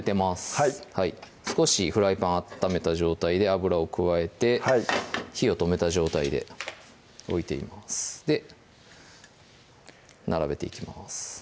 はい少しフライパン温めた状態で油を加えて火を止めた状態で置いていますで並べていきます